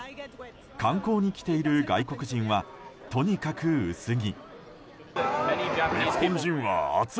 観光に来ている外国人はとにかく薄着。